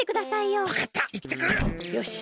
よし。